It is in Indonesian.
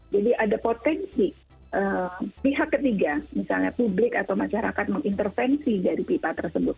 jadi ada potensi pihak ketiga misalnya publik atau masyarakat mengintervensi dari pipa tersebut